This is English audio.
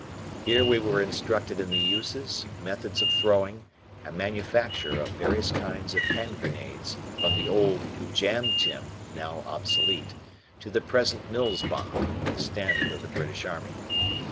Here we were instructed in the uses, methods of throwing, and manufacture of various kinds of hand grenades, from the old "jam tin," now obsolete, to the present Mills bomb, the standard of the British Army.